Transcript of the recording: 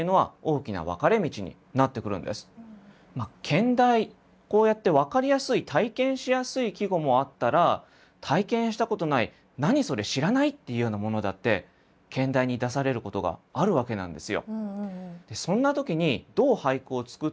兼題こうやって分かりやすい体験しやすい季語もあったら体験したことない何それ知らないっていうようなものだってでそんな時にそれは取り合わせといいます。